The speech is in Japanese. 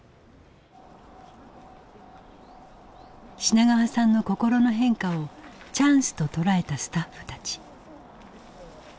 品川さんの心の変化をチャンスと捉えたスタッフたち。